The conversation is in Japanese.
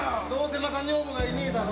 また“女房がいねえ”だろ？